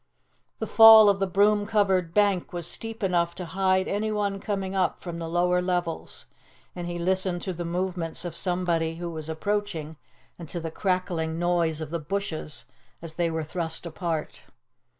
The fall of the broom covered bank was steep enough to hide anyone coming up from the lower levels, and he listened to the movements of somebody who was approaching, and to the crackling noise of the bushes as they were thrust apart.